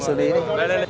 đây đây đây